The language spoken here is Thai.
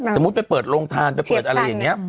สมมุติไปเปิดโรงทานไปเปิดอะไรอย่างนี้